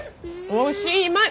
おしまい！